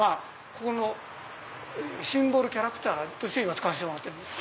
ここのシンボルキャラクターとして今使わせてもらってるんです。